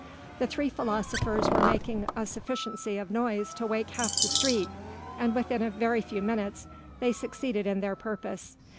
The three philosophers were making a sufficiency of noise to wake half the street and within a very few minutes they succeeded in their purpose.